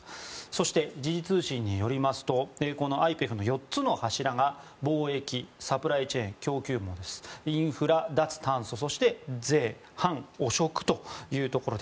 そして、時事通信によりますとＩＰＥＦの４つの柱が貿易、サプライチェーンインフラ、脱炭素、そして税・反汚職というところ。